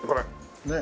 ねえ。